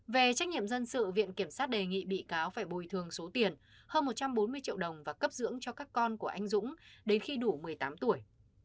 về trách nhiệm dân sự viện kiểm sát đề nghị bị cáo phải bồi thường số tiền hơn một trăm bốn mươi triệu đồng và cấp dưỡng cho các con của anh dũng đến khi đủ một mươi tám tuổi